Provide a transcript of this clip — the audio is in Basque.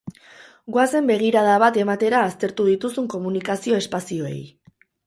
Goazen begirada bat ematera aztertu dituzun komunikazio espazioei.